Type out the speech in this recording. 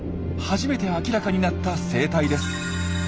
初めて明らかになった生態です。